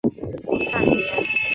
范平人。